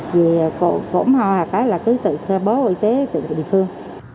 về cổng hòa cái là cứ tự khai báo y tế từ địa phương